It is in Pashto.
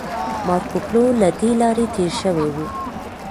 مارکوپولو له دې لارې تیر شوی و